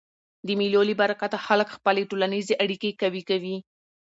د مېلو له برکته خلک خپلي ټولنیزي اړیکي قوي کوي.